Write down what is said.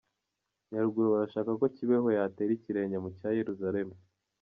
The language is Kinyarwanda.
Nyaruguru Barashaka ko Kibeho yatera ikirenge mu cya Yeruzalemu